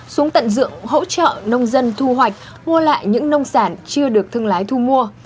xuống tận ruộng hỗ trợ nông dân thu hoạch mua lại những nông sản chưa được thương lái thu mua